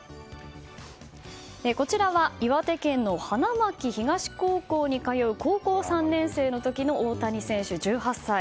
こちらは岩手県の花巻東高校に通う高校３年生の時の大谷選手、１８歳。